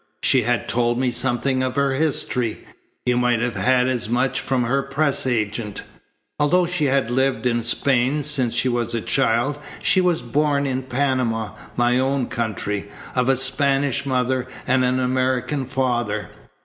"She had told me something of her history. You might have had as much from her press agent. Although she had lived in Spain since she was a child, she was born in Panama, my own country, of a Spanish mother and an American father.